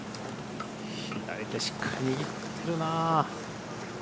左手しっかり握ってるな。